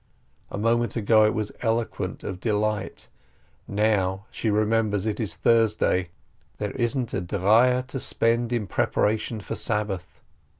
A moment ago it was eloquent of delight. Now she remembers it is Thurs day, there isn't a dreier to spend in preparation for Sabbath.